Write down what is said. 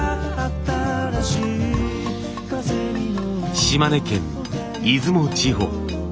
島根県出雲地方。